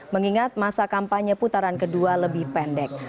mengingat masa kampanye putaran kedua lebih pendek